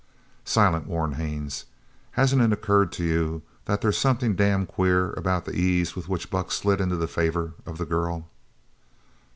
"Silent," warned Haines, "hasn't it occurred to you that there's something damned queer about the ease with which Buck slid into the favour of the girl?"